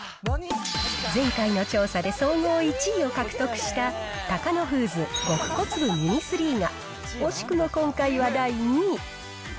前回の調査で総合１位を獲得した、タカノフーズ、極小粒ミニ３が、惜しくも今回は第２位。